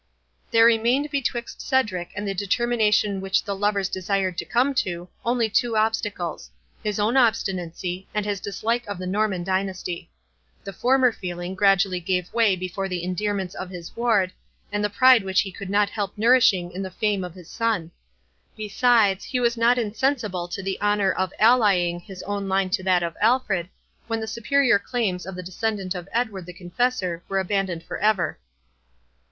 There remained betwixt Cedric and the determination which the lovers desired to come to, only two obstacles—his own obstinacy, and his dislike of the Norman dynasty. The former feeling gradually gave way before the endearments of his ward, and the pride which he could not help nourishing in the fame of his son. Besides, he was not insensible to the honour of allying his own line to that of Alfred, when the superior claims of the descendant of Edward the Confessor were abandoned for ever.